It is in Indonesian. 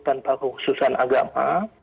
tanpa khususan agama